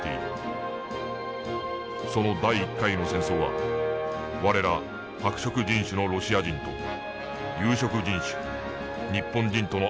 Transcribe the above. その第１回の戦争は我ら白色人種のロシア人と有色人種日本人との間で戦われた。